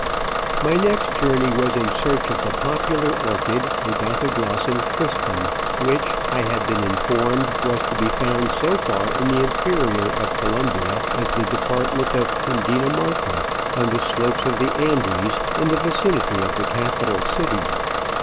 My next journey was in search of the popular orchid Odontoglossum crispum, which, I had been informed, was to be found so far in the interior of Colombia as the department of Cundinamarca, on the slopes of the Andes in the vicinity of the capital city.